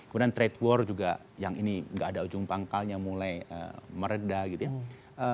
kemudian trade war juga yang ini nggak ada ujung pangkalnya mulai meredah gitu ya